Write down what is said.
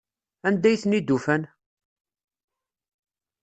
Anda ay ten-id-ufan?